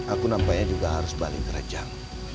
aku nampaknya juga harus balik ke rejang